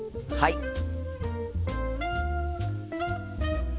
はい！